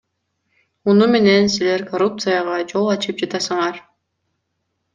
Муну менен силер коррупцияга жол ачып жатасыңар.